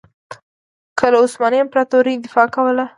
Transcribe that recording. که له عثماني امپراطورۍ دفاع کوله.